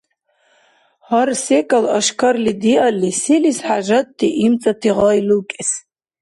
Гьар секӀал ашкарли диалли, селис хӀяжатти имцӀати гъай лукӀес?